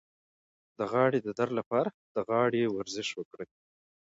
د غاړې د درد لپاره د غاړې ورزش وکړئ